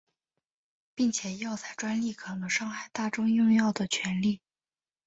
并且药材专利可能伤害大众用药权利。